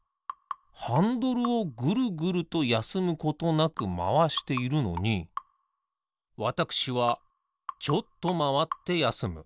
ハンドルをぐるぐるとやすむことなくまわしているのにわたくしはちょっとまわってやすむ。